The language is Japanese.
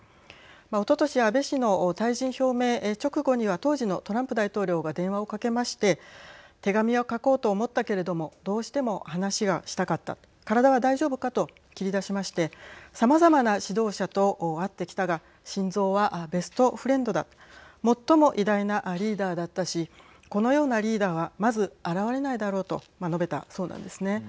おととし安倍氏の退陣表明直後には当時のトランプ大統領が電話をかけまして手紙を書こうと思ったけれどもどうしても話がしたかった体は大丈夫かと切り出しましてさまざまな指導者と会ってきたがシンゾウはベストフレンドだ最も偉大なリーダーだったしこのようなリーダーはまず現れないだろうと述べたそうなんですね。